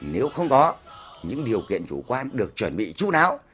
nếu không có những điều kiện chủ quan được chuẩn bị chú đáo